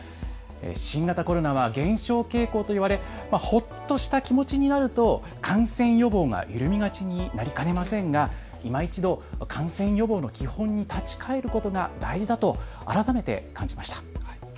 新型コロナは減少傾向と言われほっとした気持ちになると感染予防が緩みがちになりかねませんがいま一度感染予防の基本に立ち返ることが大事だと改めて感じました。